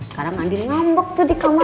sekarang andin ngambek tuh di kamar